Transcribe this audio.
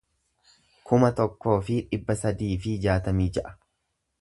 kuma tokkoo fi dhibba sadii fi jaatamii ja'a